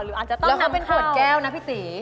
หรืออาจต้องนำเข้าแล้วก็เป็นขวดแก้วนะพี่ตี